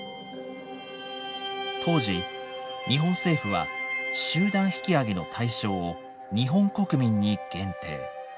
当時日本政府は集団引き揚げの対象を日本国民に限定。